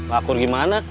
gak akur gimana